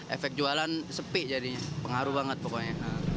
efek jualan sepi jadi pengaruh banget pokoknya